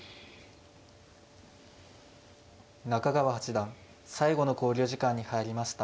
中川八段最後の考慮時間に入りました。